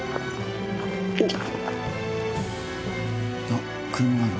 あっ車ある。